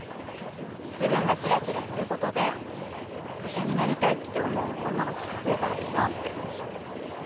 自分がキラキラすることで医者になりたいって思う女の子が増えたらいいなって。